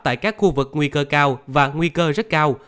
tại các khu vực nguy cơ cao và nguy cơ rất cao